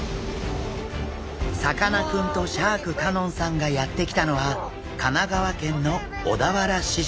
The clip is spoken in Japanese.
さかなクンとシャーク香音さんがやって来たのは神奈川県の小田原市場。